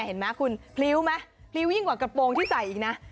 เห็นไหมคุณพลิ้วไหมพลิ้วยิ่งกว่ากระโปรงที่ใส่อีกนะ